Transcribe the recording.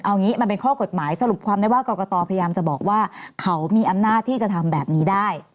เอางี้มันเป็นข้อกฎหมายสรุปความได้ว่ากรกตพยายามจะบอกว่าเขามีอำนาจที่จะทำแบบนี้ได้